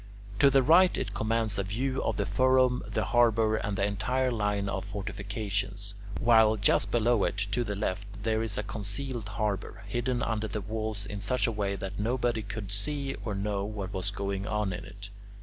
To the right it commands a view of the forum, the harbour, and the entire line of fortifications, while just below it, to the left, there is a concealed harbour, hidden under the walls in such a way that nobody could see or know what was going on in it.